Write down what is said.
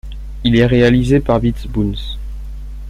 Il est réalisé par Beat Bounce.